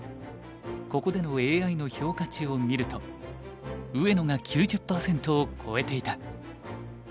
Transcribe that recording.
ここでのＡＩの評価値を見ると上野が９０％を超えていた。